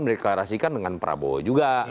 mereklarasikan dengan prabowo juga